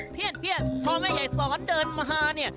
เพียนพอให้ใหญ่สอนเดินมาฮาเนี่ย